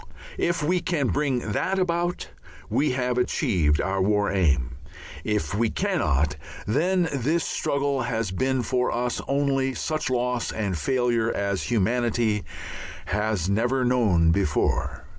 If we can bring that about we have achieved our War Aim; if we cannot, then this struggle has been for us only such loss and failure as humanity has never known before.